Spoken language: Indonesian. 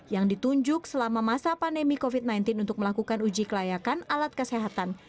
yang ditunjuk selama masa pandemi covid sembilan belas untuk melakukan uji kelayakan alat kesehatan